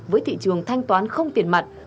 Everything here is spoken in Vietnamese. với thị trường thanh toán không tiền mặt